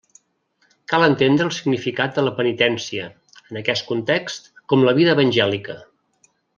Cal entendre el significat de la penitència, en aquest context, com la vida evangèlica.